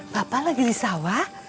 bapak lagi di sawah